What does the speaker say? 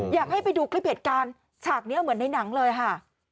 อยากให้ไปดูคลิปเหตุการณ์ฉากนี้เหมือนในหนังเลยค่ะ